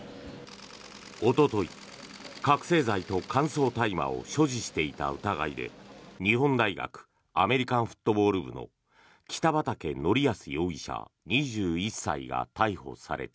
おととい、覚醒剤と乾燥大麻を所持していた疑いで日本大学アメリカンフットボール部の北畠成文容疑者、２１歳が逮捕された。